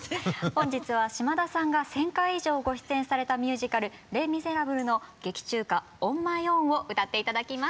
本日は島田さんが１，０００回以上ご出演されたミュージカル「レ・ミゼラブル」の劇中歌「ＯｎＭｙＯｗｎ」を歌って頂きます。